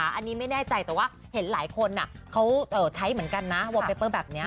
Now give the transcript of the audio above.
อันนี้ไม่แน่ใจแต่ว่าเห็นหลายคนเขาใช้เหมือนกันนะวอร์เปเปอร์แบบนี้